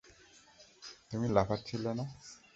তুমি লাফাচ্ছিলে না?